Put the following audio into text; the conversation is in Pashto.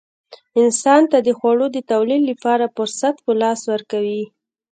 انسان ته د خوړو د تولید لپاره فرصت په لاس ورکوي.